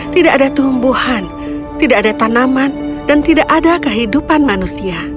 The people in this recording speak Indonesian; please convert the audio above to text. tidak ada tumbuhan tidak ada tanaman dan tidak ada kehidupan manusia